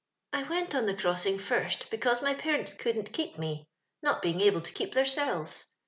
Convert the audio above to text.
" I went on the crossing first because my parents ^couldn't keep mc, not being able to keep theirselves.